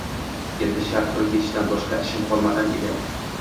Endi shart turib ketishdan boshqa ishim qolmag‘an edi